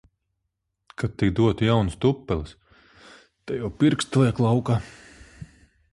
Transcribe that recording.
Ka tik dotu jaunas tupeles! Te jau pirksti liek laukā.